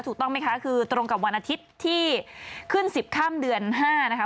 ถูกต้องไหมคะคือตรงกับวันอาทิตย์ที่ขึ้น๑๐ข้ามเดือน๕นะคะ